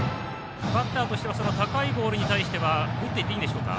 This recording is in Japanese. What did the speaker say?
バッターとしては高いボールに対しては打っていっていいんでしょうか。